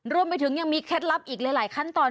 รวมไปถึงยังมีเคล็ดลับอีกหลายขั้นตอน